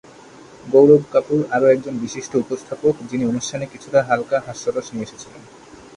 গৌরব কাপুর আরও একজন বিশিষ্ট উপস্থাপক, যিনি অনুষ্ঠানে কিছুটা হালকা হাস্যরস নিয়ে এসেছিলেন।